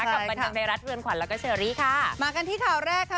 กับบันเทิงไทยรัฐเรือนขวัญแล้วก็เชอรี่ค่ะมากันที่ข่าวแรกค่ะ